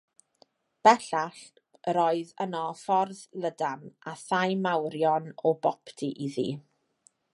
Bellach, yr oedd yno ffordd lydan, a thai mawrion o boptu iddi.